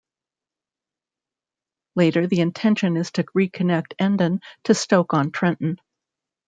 Later, the intention is to reconnect Endon to Stoke-on-Trent.